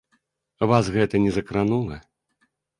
Вас гэта не закранула?